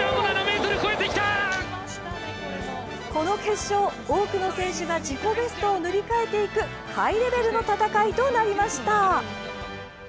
この決勝、多くの選手が自己ベストを塗り替えていくハイレベルの戦いとなりました。